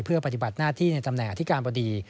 เพื่อปฏิบัติหน้าที่ในตำแหน่งอธิการบดี